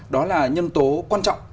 đó là nhân tố quan trọng